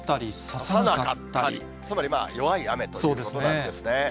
つまり弱い雨ということなんですね。